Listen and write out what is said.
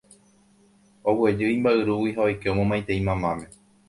Oguejy imba'yrúgui ha oike omomaitei mamáme.